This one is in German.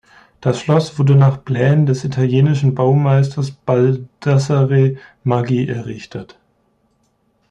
Das Schloss wurde nach Plänen des italienischen Baumeisters Baldassare Maggi errichtet.